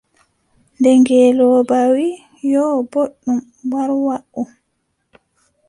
Nde ngeelooba wii :« yo, booɗɗum war waʼu. ».